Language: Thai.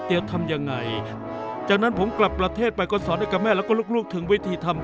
เดี๋ยวทำยังไงจากนั้นผมกลับประเทศไปก็สอนให้กับแม่แล้วก็ลูกถึงวิธีทำ